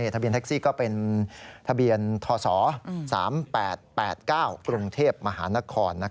ทะเบียนแท็กซี่ก็เป็นทะเบียนทศ๓๘๘๙กรุงเทพมหานคร